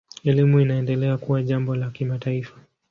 Elimu inaendelea kuwa jambo la kimataifa.